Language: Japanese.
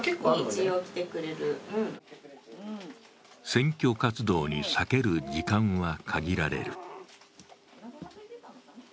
選挙活動に割ける時間は限られる。